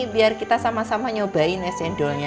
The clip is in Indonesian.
biar kita sama sama nyobain es cendolnya